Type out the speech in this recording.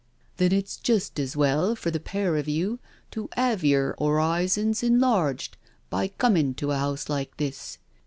" Then it's just as well for the pair of you to 'ave yer horizons enlarged by coming to a house like this.